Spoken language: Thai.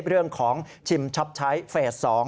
เรื่องของชิมช็อปใช้เฟส๒